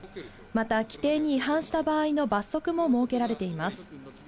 また規定に違反した場合の罰則も設けられています。